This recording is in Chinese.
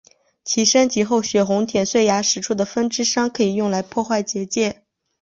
其升级后血红铁碎牙使出的风之伤可以用来破坏结界。